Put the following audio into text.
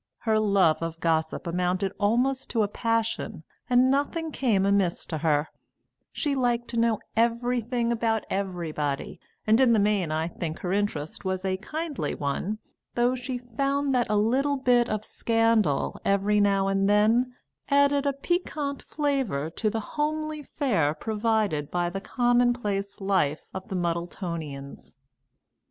Her love of gossip amounted almost to a passion, and nothing came amiss to her; she liked to know everything about everybody, and in the main I think her interest was a kindly one, though she found that a little bit of scandal, every now and then, added a piquant flavour to the homely fare provided by the commonplace life of the Muddletonians.